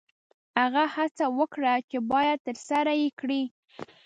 هغه څه وکړه چې باید ترسره یې کړې.